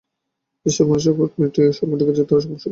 যে সব মানুষের শখ মিটে গেছে, তারা খুব অসুখী মানুষ।